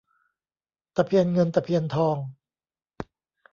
ตะเพียนเงินตะเพียนทอง